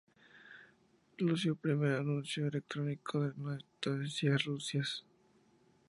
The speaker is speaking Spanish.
Lució el primer anuncio electrónico de noticias de Rusia.